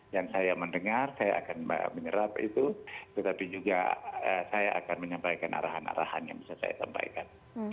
dan saya mendengar saya akan menyerap itu tetapi juga saya akan menyampaikan arahan arahan yang bisa saya sampaikan